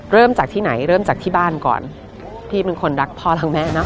เริ่มจากที่ไหนเริ่มจากที่บ้านก่อนพี่เป็นคนรักพ่อรักแม่นะ